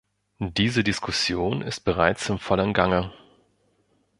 Diese Diskussion ist bereits in vollem Gange.